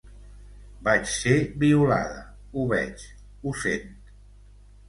Vaig ser violada, ho veig, ho sent.